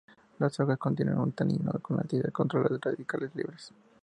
Las hojas contienen un tanino con actividad contra los radicales libres.